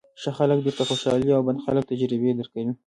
ښه خلک درته خوشالۍ او بد خلک تجربې درکوي.